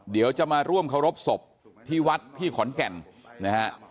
เดี๋ยวจะมาร่วมเคารพศพที่วัดที่ขอนแก่นนะฮะ